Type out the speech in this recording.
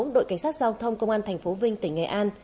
đội cảnh sát giao thông công an tp vinh tỉnh nghệ an